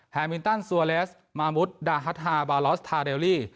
มินตันซัวเลสมามุดดาฮัทฮาบาลอสทาเดลลี่